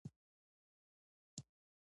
او د لمونځ څخه وروسته